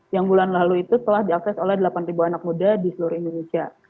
yang bulan lalu itu telah diakses oleh delapan anak muda di seluruh indonesia